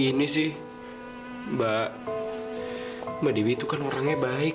ya ampun mbak dewi kok kayak gini sih mbak mbak dewi itu kan orangnya baik